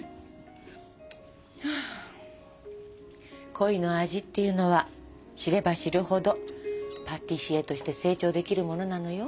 「恋の味」っていうのは知れば知るほどパティシエとして成長できるものなのよ。